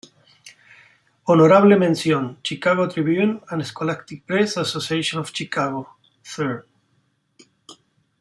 Honorable Mención, Chicago Tribune and Scholastic Press Association of Chicago, Ill.